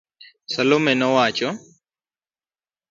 Salome nowacho